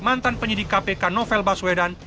mantan penyidik kpk novel baswedan